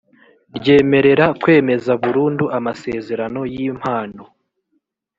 ryemerera kwemeza burundu amasezerano y’ impano